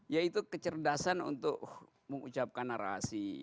yaitu kecerdasan untuk mengucapkan narasi